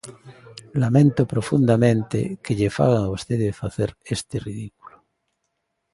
Lamento profundamente que lle fagan a vostede facer este ridículo.